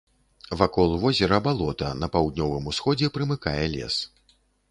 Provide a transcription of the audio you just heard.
Вакол возера балота, на паўднёвым усходзе прымыкае лес.